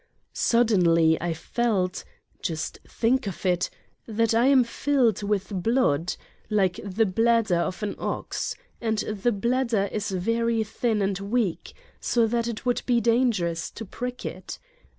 Suddenly I felt just think of it ! That I am filled with blood, like the bladder of an ox, and the bladder is very thin and weak, so that it would be dangerous to prick it.